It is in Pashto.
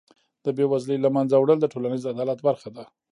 د بېوزلۍ له منځه وړل د ټولنیز عدالت برخه ده.